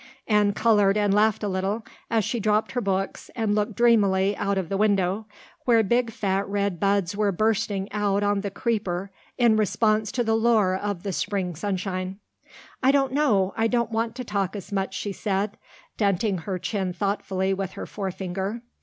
Anne colored and laughed a little, as she dropped her book and looked dreamily out of the window, where big fat red buds were bursting out on the creeper in response to the lure of the spring sunshine. "I don't know I don't want to talk as much," she said, denting her chin thoughtfully with her forefinger.